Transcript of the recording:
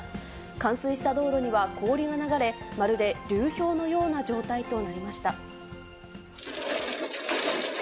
冠水した道路には氷が流れ、まるで流氷のような状態となりました。